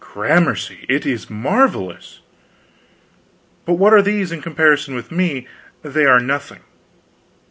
"Gramercy, it is marvelous!" "But what are these in comparison with me? They are nothing."